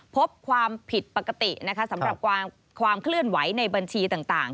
พบความผิดปกตินะคะสำหรับความเคลื่อนไหวในบัญชีต่าง